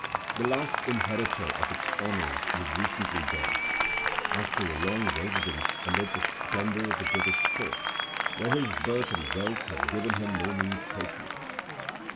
The last inheritor of its honors was recently dead, after a long residence amid the splendor of the British court, where his birth and wealth had given him no mean station.